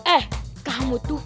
ehh udah dikitin